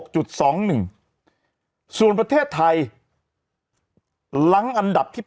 ส่วนประเทศไทยหลังอันดับที่๘